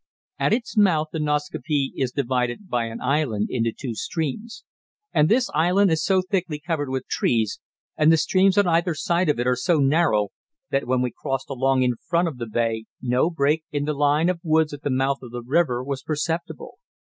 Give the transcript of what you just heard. At its mouth the Nascaupee is divided by an island into two streams, and this island is so thickly covered with trees, and the streams on either side of it are so narrow, that when we crossed along in front of the bay no break in the line of woods at the mouth of the river was perceptible.